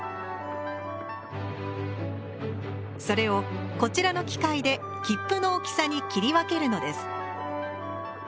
それをこちらの機械で切符の大きさに切り分けるのです。